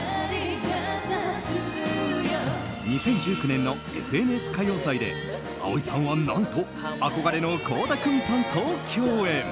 ２０１９年の「ＦＮＳ歌謡祭」で蒼井さんは何と憧れの倖田來未さんと共演。